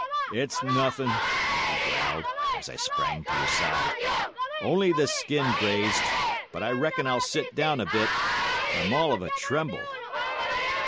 "'It's nothing,' he growled, as I sprang to his side; 'only the skin grazed. But I reckon I'll sit down a bit—I'm all of a tremble.